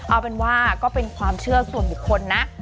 เอาเป็นว่าก็เป็นความเชื่อส่วนบุคคลนะ